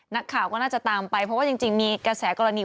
นักข่าวก็น่าจะตามไปเพราะว่าจริงมีกระแสกรณี